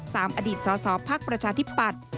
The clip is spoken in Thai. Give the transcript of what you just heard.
สามอดีตสาวภักดิ์ประชาธิปัตย์